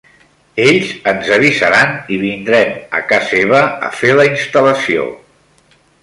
Ells ens avisaran i vindrem a ca seva a fer la instal·lació.